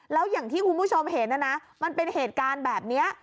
แล้วอย่างที่คุณผู้ชมเห็นนะนะมันเป็นเหตุการณ์แบบนี้